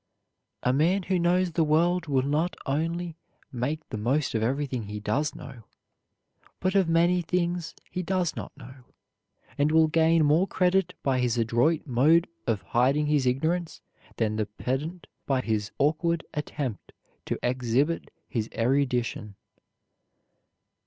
A man who knows the world will not only make the most of everything he does know, but of many things he does not know; and will gain more credit by his adroit mode of hiding his ignorance, than the pedant by his awkward attempt to exhibit his erudition.